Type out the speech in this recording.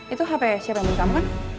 itu hp siapa yang minta kamu kan